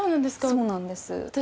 そうなんです私